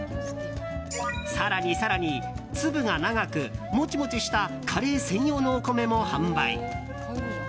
更に更に、粒が長くモチモチしたカレー専用のお米も販売。